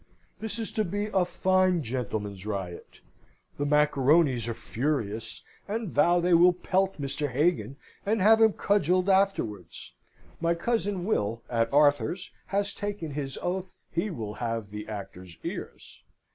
This is to be a fine gentleman's riot. The macaronis are furious, and vow they will pelt Mr. Hagan, and have him cudgelled afterwards. My cousin Will, at Arthur's, has taken his oath he will have the actor's ears.